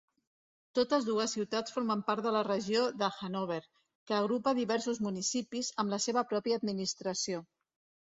Totes dues ciutats formen part de la regió de Hannover, que agrupa diversos municipis, amb la seva pròpia administració.